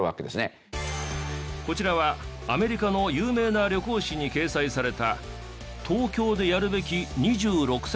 こちらはアメリカの有名な旅行誌に掲載された東京でやるべき２６選。